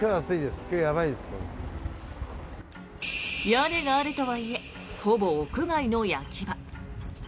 屋根があるとはいえほぼ屋外の焼き場。